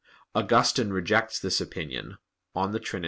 Augustine rejects this opinion (De Trin.